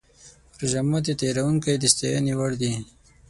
روژه ماتي تیاروونکي د ستاینې وړ دي.